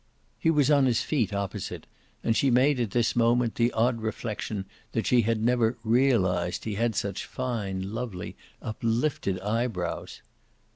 He was on his feet opposite, and she made at this moment the odd reflexion that she had never "realised" he had such fine lovely uplifted eyebrows.